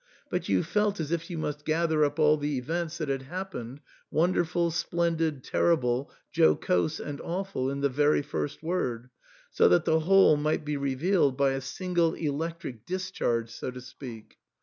But you felt as if you must gather up all the events that had happened, wonderful, splendid, terrible, jocose, and awful, in the very first word, so that the whole might be revealed by a single electric discharge, so to speak.